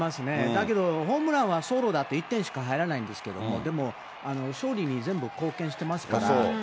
だけどホームランはソロだと１点しか入らないんですけれども、でも、勝利に全部貢献してますから。